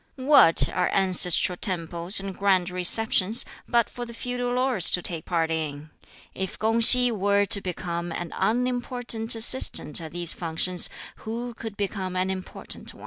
"What are ancestral temples and Grand Receptions, but for the feudal lords to take part in? If Kung si were to become an unimportant assistant at these functions, who could become an important one?"